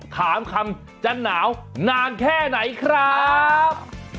คำจะหนาวนานแค่ไหนครับ